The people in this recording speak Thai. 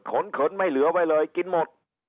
เขินไม่เหลือไว้เลยกินหมด